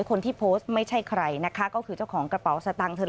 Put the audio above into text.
คนที่โพสต์ไม่ใช่ใครนะคะก็คือเจ้าของกระเป๋าสตางค์